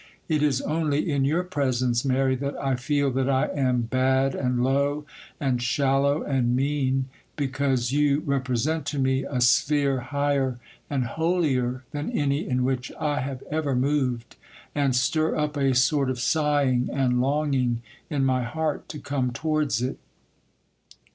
It is only in your presence, Mary, that I feel that I am bad and low and shallow and mean, because you represent to me a sphere higher and holier than any in which I have ever moved, and stir up a sort of sighing and longing in my heart to come towards it.